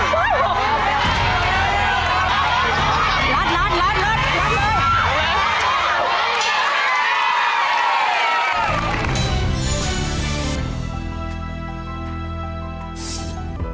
รัดรัดเลย